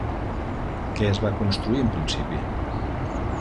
Què es va construir en principi?